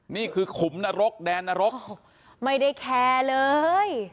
นี่คือขุมนรกแดนนรกไม่ได้แคร์เลย